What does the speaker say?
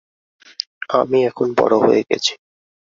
আমি এখন বড় হয়ে গেছি।